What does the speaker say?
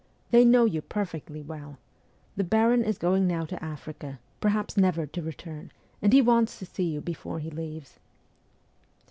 They know you perfectly well. The baron is going now to Africa, perhaps never to return, and he wants to see you before he leaves.'